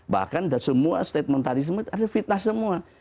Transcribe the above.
bahkan semua statement tadi fitnah semua